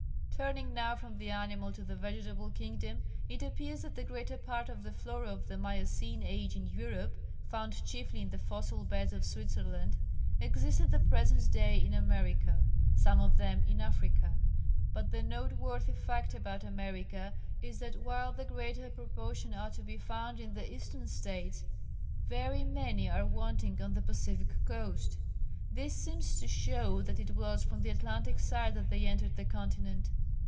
Turning now from the animal to the vegetable kingdom it appears that the greater part of the flora of the Miocene age in Europe found chiefly in the fossil beds of Switzerland exist at the present day in America, some of them in Africa. But the noteworthy fact about America is that while the greater proportion are to be found in the Eastern States, very many are wanting on the Pacific coast. This seems to show that it was from the Atlantic side that they entered the continent.